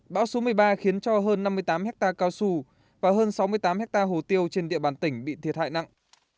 bão số một mươi ba khiến cho hơn năm mươi tám hectare cao su và hơn sáu mươi tám hectare hồ tiêu trên địa bàn tỉnh bị thiệt hại nặng